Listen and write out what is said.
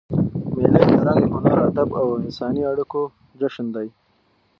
مېلې د رنګ، هنر، ادب او انساني اړیکو جشن دئ.